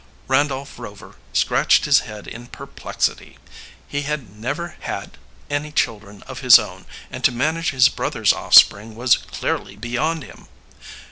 Randolph Rover scratched his head in perplexity. He had never had any children of his own, and to manage his brother's offspring was clearly beyond him.